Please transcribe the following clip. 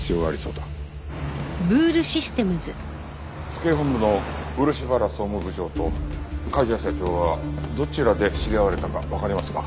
府警本部の漆原総務部長と梶谷社長はどちらで知り合われたかわかりますか？